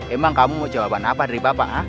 emang kamu mau jawaban apa dari bapak